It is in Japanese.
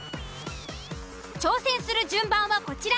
挑戦する順番はこちら。